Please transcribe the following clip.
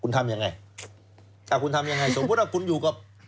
กูทำยังไงสอบลงคุณอยู่กับ